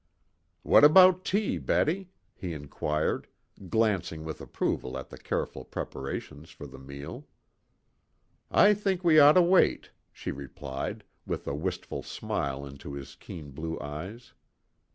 "What about tea, Betty?" he inquired, glancing with approval at the careful preparations for the meal. "I think we ought to wait," she replied, with a wistful smile into his keen blue eyes.